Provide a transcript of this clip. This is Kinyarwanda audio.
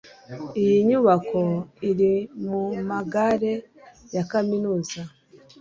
iyi nyubako iri mumagare ya kaminuza